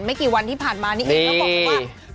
มักกี่วันที่ผ่านมานี้เองก็บอกว่า